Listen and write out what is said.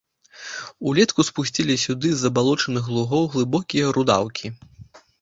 Улетку спусцілі сюды з забалочаных лугоў глыбокія рудаўкі.